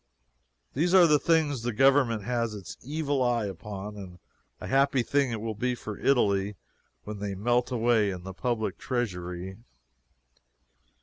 These are the things the Government has its evil eye upon, and a happy thing it will be for Italy when they melt away in the public treasury.